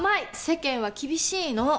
世間は厳しいの！